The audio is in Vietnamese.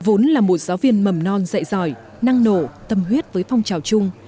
vốn là một giáo viên mầm non dạy giỏi năng nổ tâm huyết với phong trào chung